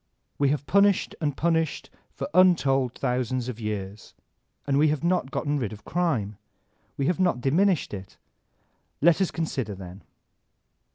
We have punished and punished for untold thousands of years, and we have not gotten rid of crime, we have not diminished it. Let us consider then.